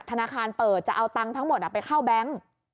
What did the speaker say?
ธนาคารเปิดจะเอาตังค์ทั้งหมดไปเข้าแบงค์